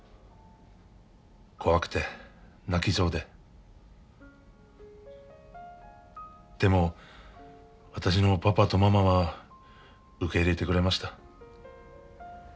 怖くて泣きそうででも私のパパとママは受け入れてくれました。